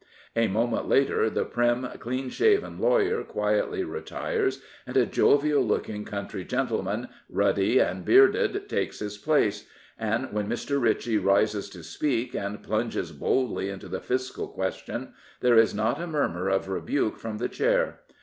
A moment later the prim, cleto shaven lawyer quietly retires, and a jovial looking country gentleman, ruddy and bearded, takes his place. And when Mr. Ritchie rises to speak, and plunges boldly into the fiscal question, there is not a murmur of rebuke from the Chair.